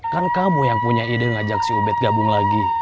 kan kamu yang punya ide ngajak si ubed gabung lagi